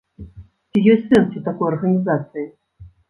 Ці ёсць сэнс ў такой арганізацыі?